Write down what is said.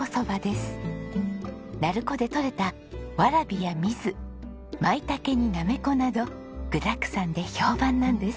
鳴子でとれたワラビやミズマイタケになめこなど具だくさんで評判なんです。